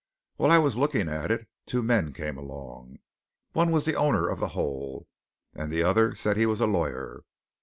While I was looking at it two men came along. One was the owner of the hole, and the other said he was a lawyer.